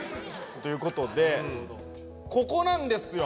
ということでここなんですよ。